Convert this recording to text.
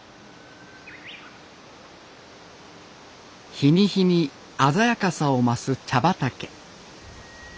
日に日に鮮やかさを増す茶畑。